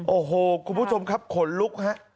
โอ้โหคุณผู้ชมครับขนลุกฮะ